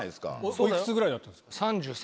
おいくつぐらいだったんですか？